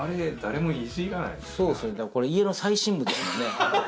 これ家の最深部ですね。